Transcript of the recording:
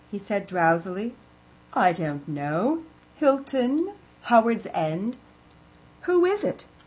He said drowsily: "I don't know. Hilton. Howards End. Who is it?"